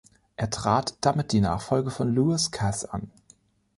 Er trat damit die Nachfolge von Lewis Cass an.